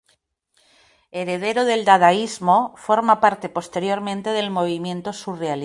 Heredero del dadaísmo, forma parte posteriormente del movimiento surrealista.